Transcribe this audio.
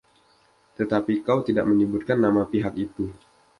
Tetapi kau tidak menyebutkan nama pihak itu.